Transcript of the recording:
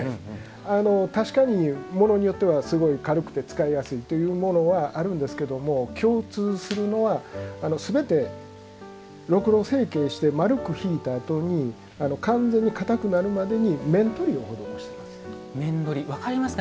確かに、ものによってはすごく軽くて使いやすいというものあるんですけども共通するのはすべて、ろくろ成形して丸くひいたあとに完全に硬くなるまでに面取りを施している。